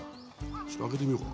ちょっと開けてみようか。